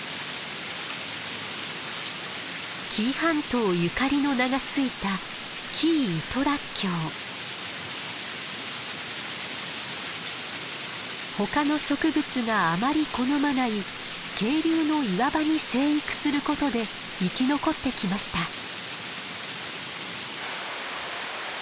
紀伊半島ゆかりの名が付いた他の植物があまり好まない渓流の岩場に生育することで生き残ってきました。